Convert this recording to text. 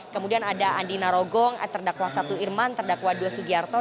kemudian ada andi narogong terdakwa satu irman terdakwa dua sugiarto